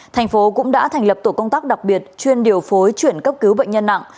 thành phố cũng đã thành lập tổ công tác đặc biệt chuyên điều phối chuyển cấp cứu bệnh nhân nặng